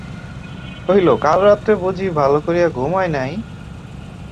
কহিল, কাল রাত্রে বুঝি ভালো করিয়া ঘুম হয় নাই।